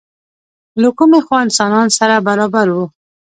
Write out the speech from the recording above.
له کومې خوا انسانان سره برابر وو؟